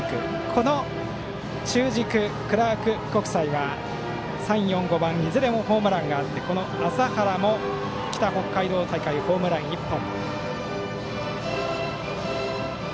この中軸、クラーク国際は３、４、５番いずれもホームランがあって麻原も北北海道大会でホームラン１本。